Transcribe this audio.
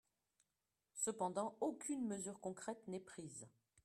Cependant, aucune mesure concrète n’est prise.